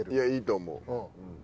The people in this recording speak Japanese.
いやいいと思う。